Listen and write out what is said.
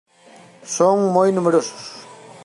Son moi numerosos.